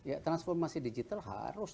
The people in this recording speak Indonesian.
ya transformasi digital harus